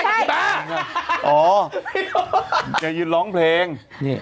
อย่ายืนร้องเพลง